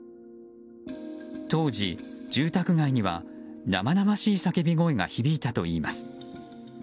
当時、住宅街には生々しい叫び声が響いたといいます。